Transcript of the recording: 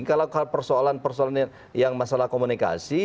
kalau persoalan persoalan yang masalah komunikasi